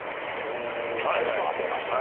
ピタリと当てました。